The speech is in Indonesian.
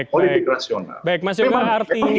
politik rasional memang idealnya begini